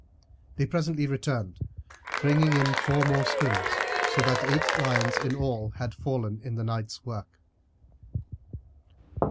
They presently returned, bringing in four more skins; so that eight lions in all had fallen in the night's work.